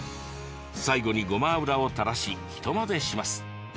最後にごま油を垂らし一混ぜします。